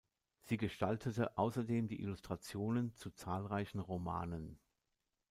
Sie gestaltete außerdem die Illustrationen zu zahlreichen Romanen.